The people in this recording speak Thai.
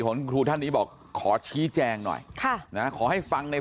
ของคุณครูท่านนี้บอกขอชี้แจงหน่อยค่ะนะขอให้ฟังใน